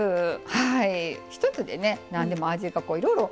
はい。